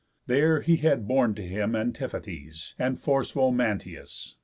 There had he born to him Antiphates, And forceful Mantius.